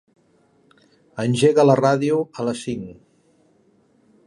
Engega la ràdio a les cinc.